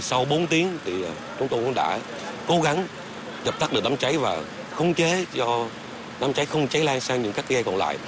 sau bốn tiếng chúng tôi cũng đã cố gắng chập tắt đám cháy và khung chế cho đám cháy không cháy lan sang những cái ghe còn lại